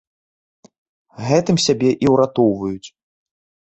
Гэтым сябе і ўратоўваюць.